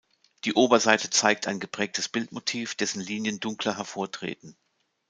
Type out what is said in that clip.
Die Oberseite zeigt ein geprägtes Bildmotiv, dessen Linien dunkler hervortreten.